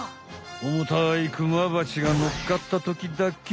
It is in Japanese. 重たいクマバチがのっかったときだけ。